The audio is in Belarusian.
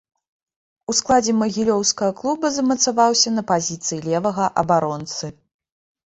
У складзе магілёўскага клуба замацаваўся на пазіцыі левага абаронцы.